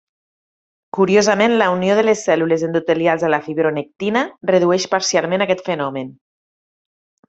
Curiosament, la unió de les cèl·lules endotelials a la fibronectina redueix parcialment aquest fenomen.